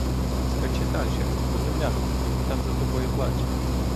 Скачи дальше, до землянки, — він там за тобою плаче.